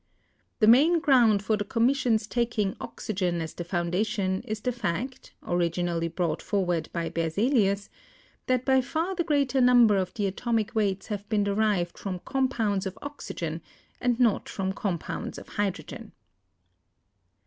The main ground for the Commission's taking oxygen as the foundation is the fact — originally brought forward by Berzelius — that by far the greater number of the atomic weights have been derived from compounds of oxygen and not from compounds of hydrogen.